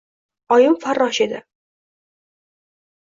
Oyim farrosh edi.